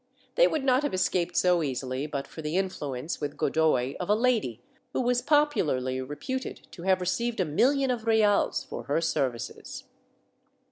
They would not have escaped so easily but for the influence with Godoy of a lady who was popularly reputed to have received a million of reales for her services.